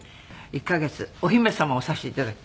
１カ月お姫様をさせて頂き。